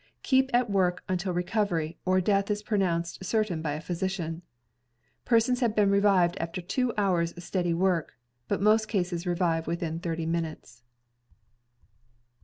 Keep at work until recovery, or death is pronounced certain by a physician. Persons have revived after two hours' steady work, but most cases revive within thirty minutes.